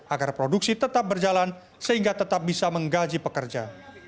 agar produksi tetap berjalan sehingga tetap bisa menggaji pekerja